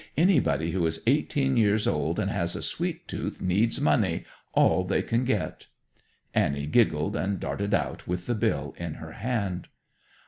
Anybody who is eighteen years old and has a sweet tooth needs money, all they can get." Annie giggled and darted out with the bill in her hand.